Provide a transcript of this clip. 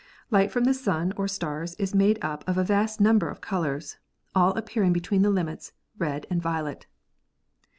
Light from the Sun or stars is made up of a vast number of colors, all appear ing between the limits red and violet.